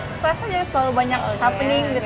stress aja terlalu banyak happening gitu